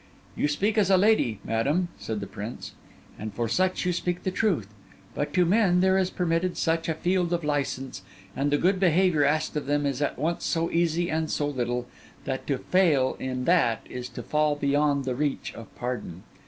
'You speak as a lady, madam,' said the prince; 'and for such you speak the truth. But to men there is permitted such a field of license, and the good behaviour asked of them is at once so easy and so little, that to fail in that is to fall beyond the reach of pardon.